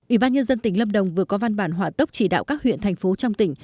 ủy ban nhân dân tỉnh lâm đồng vừa có văn bản hỏa tốc chỉ đạo các huyện thành phố trong tỉnh